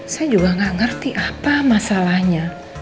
saya juga nggak ngerti apa masalahnya